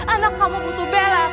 anak kamu butuh bella